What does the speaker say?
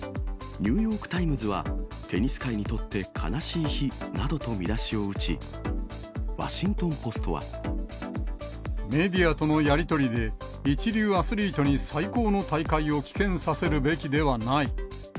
ニューヨークタイムズは、テニス界にとって悲しい日などと見出しを打ち、ワシントンポストメディアとのやり取りで、一流アスリートに最高の大会を棄権させるべきではない。